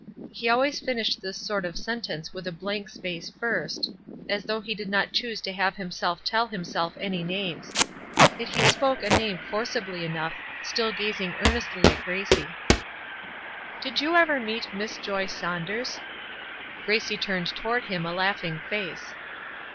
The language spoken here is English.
He always finished this sort of sentence with a blank space first, as though he did not choose to have himself tell himself any names. Yet he spoke a name forcibly enough, still gazing earnestly at Gracie. "Did you ever meet Miss Joy Saunders?" Gracie turned toward him a laughing face.